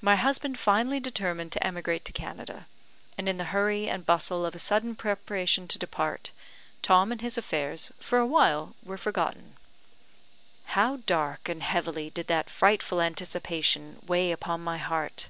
My husband finally determined to emigrate to Canada, and in the hurry and bustle of a sudden preparation to depart, Tom and his affairs for a while were forgotten. How dark and heavily did that frightful anticipation weigh upon my heart!